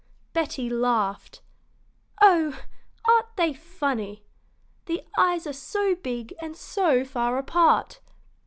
Betty laughed. "Oh, aren't they funny! The eyes are so big and so far apart."